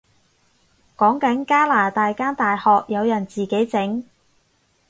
講緊加拿大間大學有人自己整